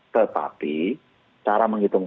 tetapi cara menghitung